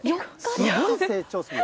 すごい成長です。